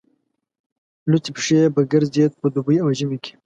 لوڅې پښې به ګرځېد په دوبي او ژمي کې.